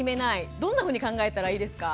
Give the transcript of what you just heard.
どんなふうに考えたらいいですか？